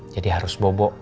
jadi harus bobo